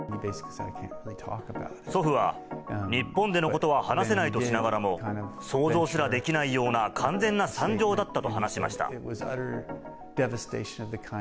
祖父は日本でのことは話せないとしながらも、想像すらできないような完全な惨状だったと話しました。